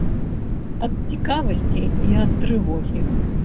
Ад цікавасці і ад трывогі.